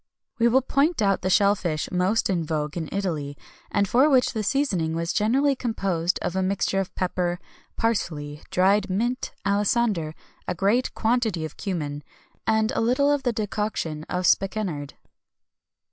[XXI 217] We will point out the shell fish most in vogue in Italy, and for which the seasoning was generally composed of a mixture of pepper, parsley, dried mint, alisander, a great quantity of cummin, and a little of the decoction of spikenard.